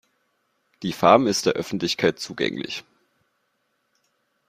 Die Farm ist der Öffentlichkeit zugänglich.